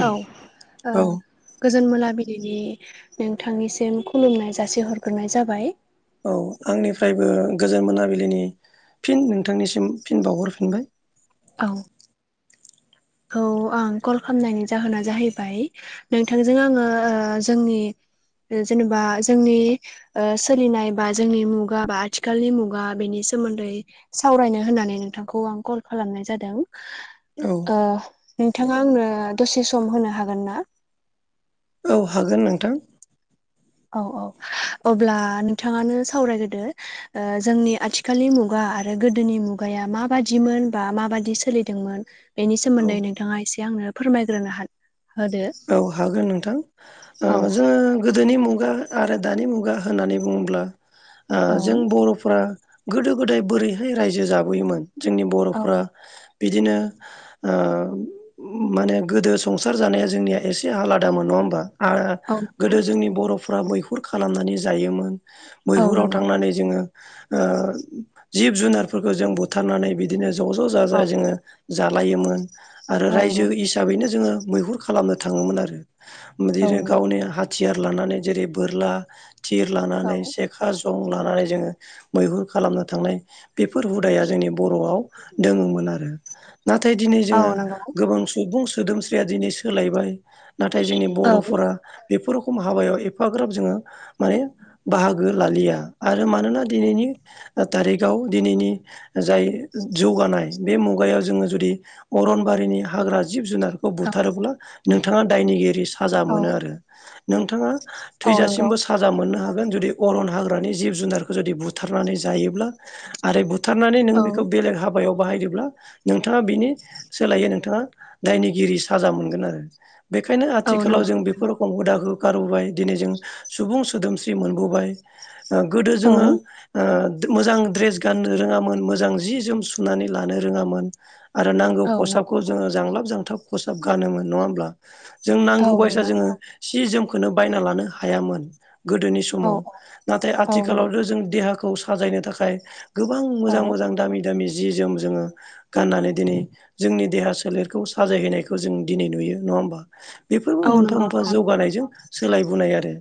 औ औ ओ गोजोन मोनाबिलिनि नोंथांनिसिम खुलुमनाय जासिहरग्रोनाय जाबाय। औ आंनिफ्रायबो गोजोन मोनाबिलिनि फिन नोंथांनिसिम फिन बावहरफिनबाय। औ खौ आं कल खालामनायनि जाहोना जाहैबाय नोंथांजों आङो ओ जोंनि जेनेबा जोंनि ओ सोलिनाय बा जोंनि मुगा बा आथिखालनि मुगा बेनि सोमोन्दै सावरायनो होननानै नोंथांखौ आं कल खालामनाय जादों। औ ओ नोंथाङा आंनो दसे सम होनो हागोन ना? औ हागोन नोंथां। औ औ अब्ला नोंथाङानो सावरायग्रोदो। ओ जोंनि आथिखालनि मुगा आरो गोदोनि मुगाया माबादिमोन बा माबादि सोलिदोंमोन। बेनि औ सोमोन्दै नोंथाङा एसे आंनो फोरमायग्रोनो [unintelligible] होदो औ हागोन नोंथां ओ औ जोङो गोदोनि मुगा आरो दानि मुगा होननानै बुङोब्ला ओ औ जों बर'फ्रा गोदो गोदाय बोरैहाय रायजो जाबोयोमोन जोंनि बर'फ्रा बिदिनो ओ माने गोदो संसार जानाया जोंनिया एसे आलादामोन नङा होमबा आ औ गोदो जोंनि बर'फ्रा मैहुर खालामनानै जायोमोन। औ मैहुराव नंगौ थांनानै जोङो ओ जिब जुनारफोरखौ जों बुथारनानै बि बिदिनो ज' ज' जा जा औ जोङो जालायोमोन आरो रायजो नंगौ इस दा बैनो जोङो मैहुर खालामनो थाङोमोन आरो औ बिनो नंगौ गावनि हा थियार लानानै जेरै बोरला थिर लानानै से [unintelligible] खा जं लानानै जोङो मैहुर खालामनो थांनाय बेफोर हुदाया जोंनि [unintelligible] बर'आव दोङोमोन आरो नाथाय दिनै औ जोङो नंगौ गोबां सुबुं सोदोमस्रिया दिनै सोलायबाय। नाथाय जोंनि औ औ नंगौ बर'फोरा बेफोर रखम हाबायाव एफाग्राब जोङो माने बाहागो लालिया। आरो मानोना दिनैनि थारिखाव दिनैनि जाय जौगानाय बे मुगायाव जोङो जुदि अरनबारिनि हाग्रा जिब जुनाद खौ बुथारोब्ला नोंथाङा दायनिगिरि साजा औ मोनो आरो नोंथाङा औ नंगौ थैजासिमबो सा साजा मोननो हागोन जुदि अरन हाग्रानि जिब जुनारखौ जुदि बुथारनानै जायोब्ला। आरो बुथारनानै औ नोङो बेखौ बेलेग हाब बायाव बाहायदोंब्ला नोंथाङा बिनि सोलायै नोंथाङा दायनिगिरि साजा मोनगोन आरो। बेखायनो औ आथिखालाव नंगौ जों बेफोर हुदाखो गारबोबाय दिनै जों सुबुं सोदोमस्रि मोनबोबाय। ओ गोदो औ जोङो ओ मोजां द्रेस गाननो रोङामोन मोजां जि जोम सुनानै लानो रोङामोन। आरो नांगौ औ नंगौ खसाबखौ जोङो जांलाब जांथाब खसाब गानोमोन नङा होमब्ला? जों औ नांगौ बायसा नंगौ जोङो सि जोमखोनो बायना लानो हायामोन गोदोनि [unintelligible] औ समाव नाथाय औ नंगौ आथिखालावथ' जों देहाखौ साजायनो थाखाय गोबां औ मोजां मोजां दामि दामि जि जोम जोङो गाननानै दिनै जोंनि देहा सोलेरखौ साजायहैनायखौ जों दिनै नुयो नङा होम बेफोरबो औ मोनफा नंगौ मोनफा नोंथां जौगानायजों सोलायबोनाय आरो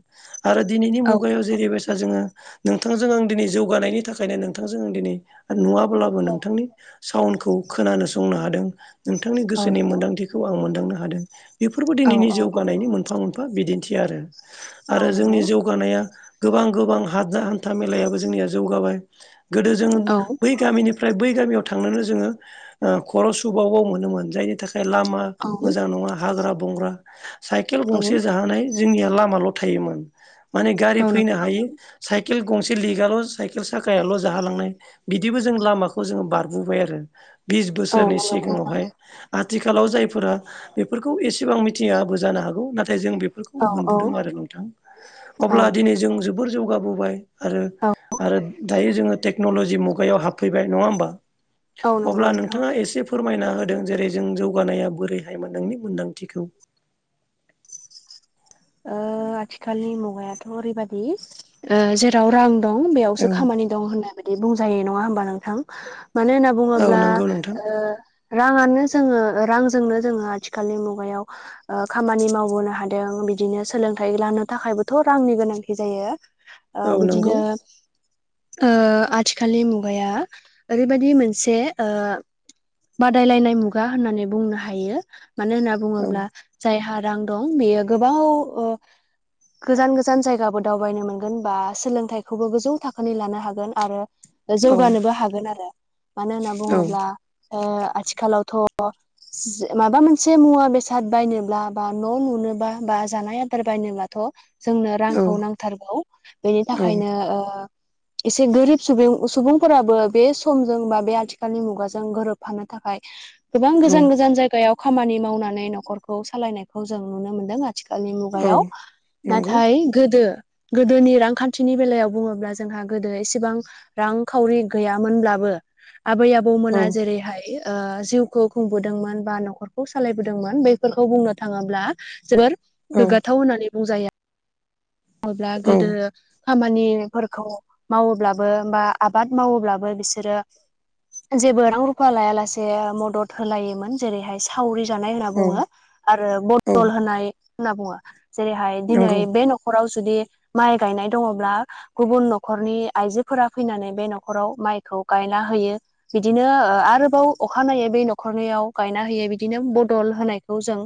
आरो दिनैनि औ मुगायाव जेरैबायासा जोङो नोंथांजों आं दिनै जौगानायनि थाखायनो नोंथांजों आं दिनै नुवा‌ अब्लाबो औ नोंथांनि साउन्डखौ खोनानो संनो हादों नोंथांनि औ गोसोनि नंगौ मोन्दांथि बेखौ आं मोनदांनो हादों बेफोरबो औ दिनैनि औ जौगानायनि मोनफा मोनफा बिदिन्थि आरो। औ आरो नंगौ जोंनि जौगानाया गोबां गोबां [unintelligible] हान्था मेलायाबो जोंनिया जौगाबाय। गोदो जों औ बै गामिनिफ्राय बै गामियाव थांनानै जोङो ओ खर' सुबाव बाव मोनोमोन जायनि थाखाय लामा औ मोजां नङा हाग्रा बंग्रा साइकेल औ गंसे जाहोनाय जोंनिया लामाल' थायोमोन माने गारि औ नंगौ फैनो हायि। नोंथां साइकेल गंसे लिगाल' साइकेल साखायाल' जाहालांनाय बिदिबो जों लामाखौ जोङो बारबोबाय आरो बिस औ बोसोरनि नंगौ नोंथां सिगाङावहाय आथिखालाव जायफोरा बेफोरखौ एसेबां मिथियाबो जानो हागौ नाथाय जों बे बेफोरखौ औ औ मोनबोदों आरो नोंथां। अब्ला औ दिनै जों जोबोर जौगाबोबाय आरो आरो दायो जोङो टेक्न'लजि मुगायाव हाबफैबाय नङा होमबा। औ नंगौ अब्ला नोंथां नोंथाङा एसे फोरमायना होदों जेरै जों जौगानाया बोरैहायमोन नोंनि मोन्दांथिखौ। ओ आथिखालनि मुगायाथ' ओरैबादि ओ जेराव रां दं बेयावसो औ खामानि दं होननाय बायदि बुंजायो नङा होमबा नोंथ। ां मानो होनना औ बुङोब्ला नंगौ नोंथां ओ राङानो जोङो रांजोंनो जोङो आथिखालनि मुगायाव ओ खामानि मावबोनो हादों बि‌ दिनो सोलोंथाइ लानो थाखायबोथ' रांनि गोनांथि जायो। ओ औ नंगौ बिदिनो ओ आथिखालनि मुगाया ओरैबायदि मोनसे ओ बादायलायनाय मुगा होननानै बुंनो हायो। मानो होनना औ बुङोब्ला जायहा रां दं बेयो गोबां ओ गोजान गोजान जायगाबो दावबायनो मोनगोन बा सोलोंथाइखौबो गोजौ थाखोनि लानो हागोन आरो औ जौगानोबो हागोन आर। ो मानो होनना औ बुङोब्ला ओ आथिखालावथ' माबा मोनसे मुवा बेसाद बायनोब्ला बा न' लुनोबा बा जानाय आदार बायनोब्लाथ' जोंनो रांखौ नांथारगौ। बेनि औ थाखायनो ओ एसे गोरिब सुबुं सुबुंफोराबो बे समजों बा बे आथिखालनि मुगाजों गोरोबफानो थाखाय गोबां औ गोजान गोजान जायगायाव खामानि मावनानै नखरखौ सालायनायखौ जों नुनो मोनदों आ थिखालनि औ मुगायाव। नंगौ नाथाय गोदो गोदोनि रांखान्थिनि बेलायाव बुङोब्ला जोंहा गोदो एसेबां रांखावरि गैयामोनब्लाबो आबै औ आबौमोना जेरैहाय ओ जिउखौ खुंबोदोंमोन बा नखरखौ सालायबोदोंमोन बैफोरखौ बुंनो थाङोब्ला जोबोर औ गोग्गाथाव होननानै बुंजाया [unintelligible] ब्ला औ गोदो खामानिफोरखौ मावोब्लाबो बा आबाद मावोब्लाबो बिसोरो जेबो रां रुफा लायालासे मदद होलायोमोन। जेरैहाय सावरि जानाय होनना औ बुङो आरो औ बदल होनाय होनना बुङो। जेरैहाय दिनै नंगौ बे नखराव जुदि माइ गायनाय दङब्ला गुबुन नखरनि आइजोफोरा फैनानै बे नखराव माइखौ गायना होयो। बिदिनो ओ आरोबाव अखानायै बै न'खरनियाव गायना होयै बिदिनो बदल होनायखौ जों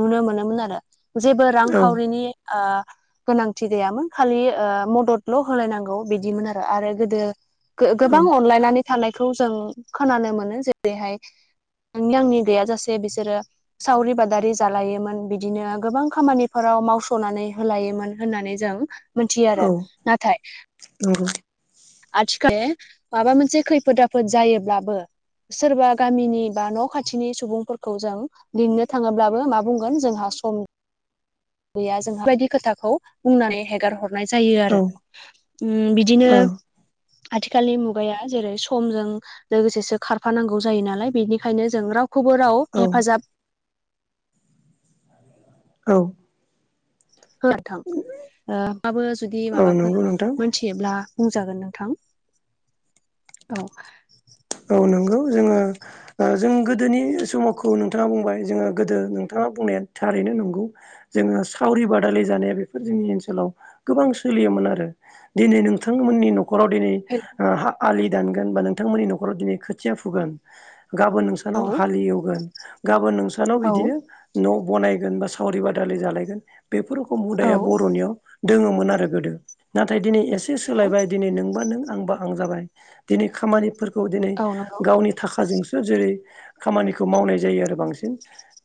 नुनो मोनोमोन आरो। जेबो औ रांखावरिनि ओ गोनांथि गैयामोन खालि ओ मददल' होलायनांगौ बिदिमोन आरो। आरो गोदो औ गो-गोबां अनलायनानै थानायखौ जों खोनानो मोनो जेरैहाय नोंनि आंनि गैयाजासे बिसोरो सावरि बादारि जालायोमोन बिदिनो गोबां खामानिफोराव मावस'नानै होलायोमोन होननानै जों मोन्थियो आरो। नाथाय औ। आथिखाल [unintelligible] माबा मोनसे खैफोद आफोद जायोब्लाबो सोरबा गामिनि बा न' खाथिनि सुबुंफोरखौ जों लिंनो थाङोब्लाबो मा बुंगोन जोंहा सम गैया जों बेफोरबायदि खोथाखौ बुंनानै हेगारहर नाय जायो औ आरो। उम बिदिनो औ आथिखालनि मुगाया जेरै समजों लोगोसेसो खारफानांगौ जायो नालाय बेनिखायनो जों रावखौबो राव औ हेफाजाब औ। होआथां ओ नोंथांआबो जुदि माबाफोर नंगौ नोंथां मोन्थि योब्ला बुंजागोन नोंथां औ। औ नोंगौ जोङो ओ जों गोदोनि समावखौ नोंथाङा बुंबाय जोङो गोदो नोंथाङा बुंनाया थारैनो नंगौ। जोङो सावरि बादालि जानाया बेफोर जोंनि ओनसोलाव गोबां सोलियोमोन आरो। दिनै नोंथांमोननि न'खराव दिनै। हेल' आलि दानगोन, बा नोंथांमोननि न'खराव दिनै खोथिया फुगोन, गाबोन नों नाव औ हालएवगोन गाबोन नोंसानाव औ बिदिनो न' बानायगोन बा सावरि बादालि जालायगोन बेफोर रखम औ हुदाया बर'नियाव दोङोमोन आरो गोदो नाथाय दिनै एसे सोलायबाय दिनै नोंबा नों आंबा आं जाबाय दिनै खामानिफोरखौ दिनै औ नंगौ गावनि थाखाजोंसो जेरै- खामानिखौ मावनाय जायो आरो बांसिन।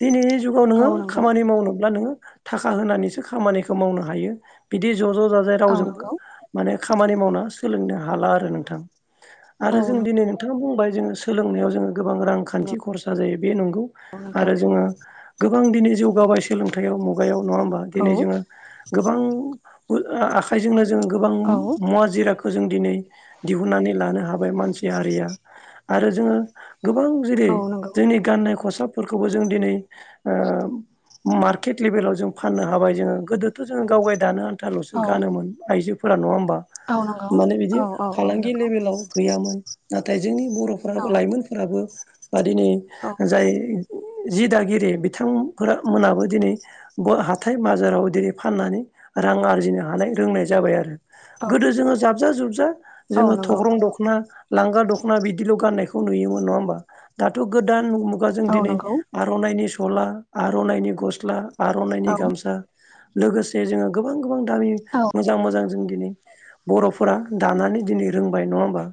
दिनैनि जुगाव नोङो औ नंगौ खामानि मावनोब्ला नोङो थाखा होनानैसो खामानिखौ मावनो हायो। बिदि ज' ज' जाजाय औ रावजोंबो नंगौ माने खामानि मावना सोलोंनो हाला आरो नोंथां आरो औ जों नंगौ दिनै नोंथाङा बुंबाय जोङो सोलोंनायाव जोङो गोबां रांखान्थि खरसा जायो बे नंगौ। नोंथां आरो जोङो गोबां दिनै जौगाबाय सोलोंथाइयाव मुगायाव नङा होमबा। दिनै औ जोङो गोबां आ आखाइजोंनो जोङो गोबां औ मुवा जिरादखौ जों दिनै दिहुननानै लानो हाबाय मानसि हारिया आरो जोङो गोबां जेरै औ नंगौ जोंनि गाननाय खसाबफोरखौबो जों दिनै मार्केट लेभेलाव जों फाननो हाबाय जोंङो। गोदोथ' जों गावगाय दानो दा ल'सो औ गानोमोन आइजोफोरा नङा होमबा। औ नंगौ माने बिदि औ औ फालांगि नंगौ लेबेलाव गैयामोन। नाथाय जोंनि औ बर'फोराबो लाइमोनफोराबो बा दिनै औ जाय जि दागिरि बिथांफोर मोनाबो दिनै हाथाय बाजाराव दिनै फाननानै रां आरजिनो हानाय रोंनाय जाबाय आरो। औ गोदो जोङो जाबजा जुबजा औ जोङो नंगौ नोंथां थग्रं-दख'ना। लांगा दख'ना बिदिल' गाननायखौ नुयोमोन नङा होमबा। दाथ' गोदान मुगा जों औ दिनै। नंगौ आर'नाइनि सला, आर'नाइनि गस्ला, आर'नाइनि औ गामसा लोगोसे जे जोङो गोबां गोबां दामि औ मोजां मोजां जों दिनै बर'फोरा दानानै दिनै रोंबाय नङा होमबा।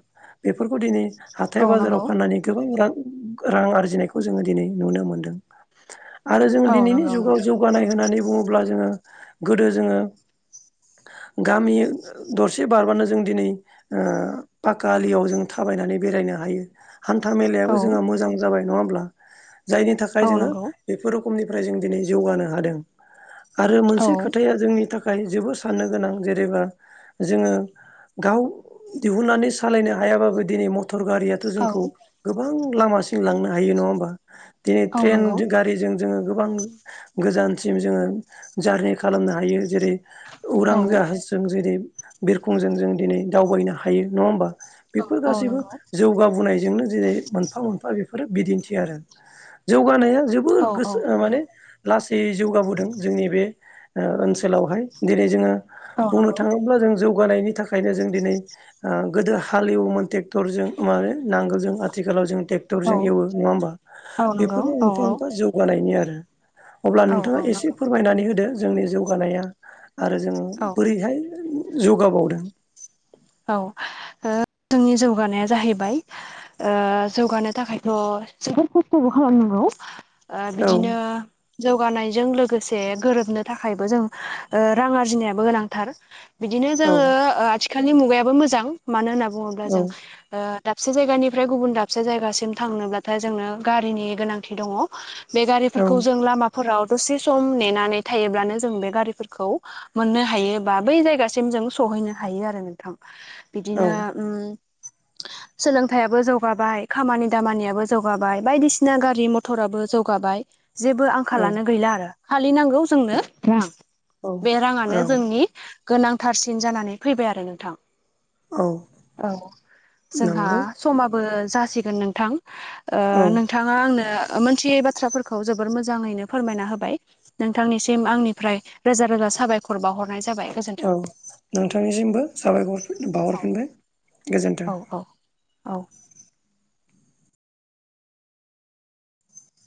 बेफोरखौ दिनै हाथाय औ बाजाराव नंगौ फाननानै गोबां रां रां आरजिनायखौ जोङो दिनै नुनो मोन्दों आरो जों औ दिनैनि नंगौ जुगाव जौ नोंथां जौगानाय होननानै बुङोब्ला जोङो गोदो जोङो गामि दरसे बारबानो जों दिनै ओ पाका आलियाव जों थाबायनानै बेरायनो हायो। हान्था औ मेलायाबो जोंहा मोजां जाबाय नङा होमब्ला। जायनि थाखाय औ जोङो नंगौ बेफोर रोखोमनिफ्राय जों दिनै जौगानो हादों। आरो मोनसे औ खोथाया जोंनि थाखाय जोबोद साननो गोनां जेरेबा जोङो गाव दिहुननानै सालायनो हायाबाबो दिनै मटर गारियाथ' औ जोंखौ गोबां लामासिम लांनो हायो नङा होमबा। दिनै औ ट्रेन नंगौ जो गारिजों जोङो गोबां गोजानसिम जोङो जारनि खालामनो हायो। जेरै- औ उरां जाहाजजों जेरै बिरखंजों जों दिनै दावबायनो हायो नङा होमबा? बेफोर औ गासैबो जो नंगौ जौगाबोनायजोंनो जेरै मोनफा मोनफा बेफोरो बिदिन्थि आरो। जौगानाया जोब बोद औ औ गोसोआ माने लासै जौगाबोदों जोंनि बे ओ ओनसोलावहाय। दिनै जोङो औ बुंनो नंगौ थाङोब्ला जों जौगानायनि थाखायनो जों दिनै ओ गोदो हालेवोमोन ट्रेक्टरजों माने नांगोलजों आथिखालाव जों टे्क्टर औ डक्टरजों एवो नङा होमबा। औ नंगौ बेफोरबो औ मोननफा मोनफा जौगानायनि आरो। अब्ला औ नोंथाङा औ एसे नंगौ फोरमायनानै होदो जोंनि जौगानाया। आरो जोङो औ बोरैहाय जौगाबावदों। औ ओ जोंनि जौगानाया जाहैबाय ओ जौगानो थाखायथ' जोबोद खस्थ'बो खालामनांगौ। ओ औ बिदिनो जौगानायजों लोगोसे गोरोबनो थाखायबो जों ओ रां आरजिनायाबो गोनांथार। बिदिनो औ जोङो ओ आथिखालनि मुगायाबो मोजां। मानो होनना बुङोब्ला औ जों ओ दाबसे जायगानिफ्राय गुबुन दाबसे जायगासिम थांनोब्लाथाय जोंनो गारिनि गोनांथि दङ'। बे औ गारिफोरखौ जों लामाफोराव दसे सम नेनानै थायोब्लानो जों बे गारिफोरखौ मोननो हायो बा बै जायगासिम जों सहैनो हायो आरो नोंथां औ बिदिनो ओम। सोलोंथाइयाबो जौगाबाय खामानि दामानियाबो जौगाबाय, बायदिसिना गारि मथ टराबो जौगाबाय जेबो औ आंखालानो गैला आरो। खालि नांगौ जोंनो रां। औ बे राङानो औ जोंनि गोनांथारसिन जानानै फैबाय आरो नोंथां। औ औ जोंहा नंगौ समाबो जासिगोन नोंथां। ओ औ नोंथाङा आंनो मोनथियै बाथ्राफोरखौ जोबोर मोजाङैनो फोरमायना होबाय। नोंथांनिसिम आंनिफ्राय रोजा रोजा साबायखर बावाहरनाय जाबाय। गोजोन्थों औ नोंथांनिसिमबो साबायखर औ बावहरफिनबाय गोजोन्थों। औ औ औ।